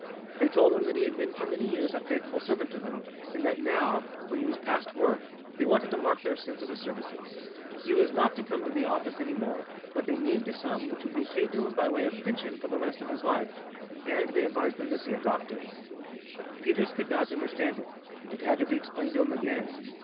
They told him that he had been for many years a faithful servant to them, and that now when he was past work they wanted to mark their sense of his services. He was not to come to the office any more, but they named a sum which would be paid him by way of pension for the rest of his life. And they advised him to see a doctor. Peters could not understand it, and it had to be explained to him again.